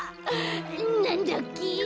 なんだっけ？